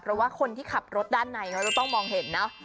เพราะว่าคนที่ขับรถด้านในเขาจะต้องมองเห็นเนาะ